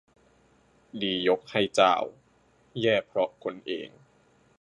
ดียกให้เจ้า แย่เพราะคนเอง